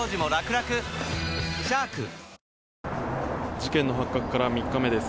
事件の発覚から３日目です。